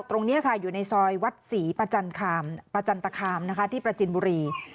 ตรงนี้ค่ะอยู่ในซอยวัดศรีประจันตคามนะคะที่ประจินบุรี